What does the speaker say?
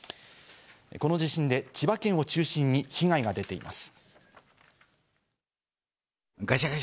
この地震で千葉県を中心に被害が出ています。